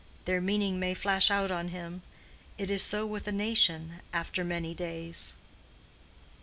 Their meaning may flash out on him. It is so with a nation—after many days."